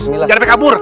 jangan leper kabur